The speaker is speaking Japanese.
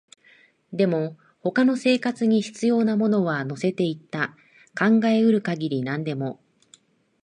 でも、他の生活に必要なものは乗せていった、考えうる限り何でも